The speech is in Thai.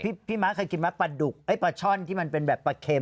พี่ม้าเคยกินไหมปลาดุกไอ้ปลาช่อนที่มันเป็นแบบปลาเค็ม